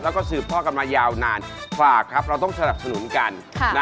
แล้วก็สืบทอดกันมายาวนานฝากครับเราต้องสนับสนุนกัน